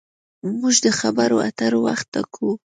موږ د خبرو اترو وخت ټاکو.